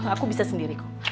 aku bisa sendiri kok